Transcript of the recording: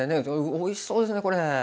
おいしそうですねこれ。